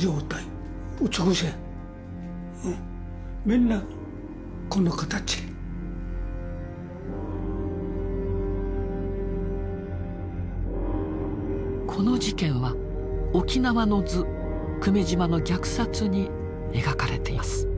みんな同じこの事件は「沖縄の図久米島の虐殺」に描かれています。